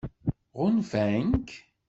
Ɣunfan-k?